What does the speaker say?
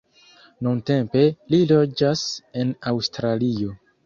Nuntempe li loĝas en Aŭstralio.